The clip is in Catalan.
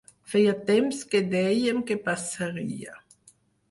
Feia temps que dèiem que passaria.